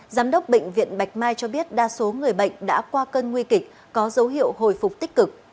giám đốc bệnh viện bạch mai cho biết đa số người bệnh đã qua cơn nguy kịch có dấu hiệu hồi phục tích cực